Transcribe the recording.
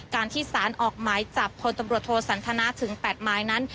การที่สารออกหมายจับคนตำรวจโทสันทนาถึง๘หมายนั้น